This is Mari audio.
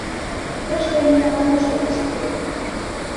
Тыште нимогай воштыл тыш уке.